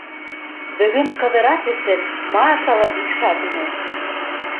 Бөгөн Ҡыҙырас өсөн Маша ла бик шат ине.